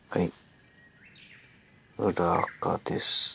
はい。